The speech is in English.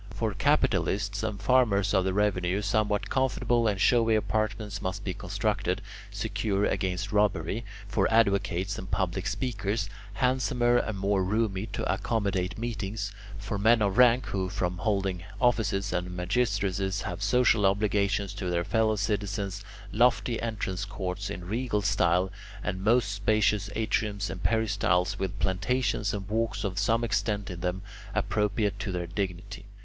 For capitalists and farmers of the revenue, somewhat comfortable and showy apartments must be constructed, secure against robbery; for advocates and public speakers, handsomer and more roomy, to accommodate meetings; for men of rank who, from holding offices and magistracies, have social obligations to their fellow citizens, lofty entrance courts in regal style, and most spacious atriums and peristyles, with plantations and walks of some extent in them, appropriate to their dignity.